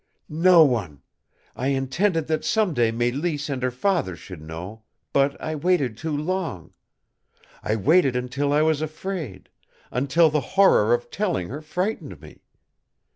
"No one. I intended that some day Mélisse and her father should know; but I waited too long. I waited until I was afraid, until the horror of telling her frightened me.